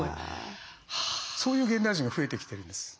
そういう現代人が増えてきてるんです。